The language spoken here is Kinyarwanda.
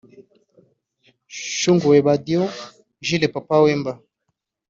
Shungu Webadio Jules Papa Wemba